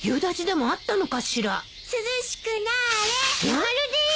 ・なるです！